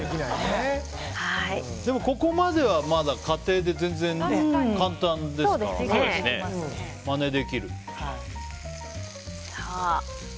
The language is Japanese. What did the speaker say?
でも、ここまではまだ家庭で全然簡単ですからね、まねできる。